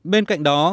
bên cạnh đó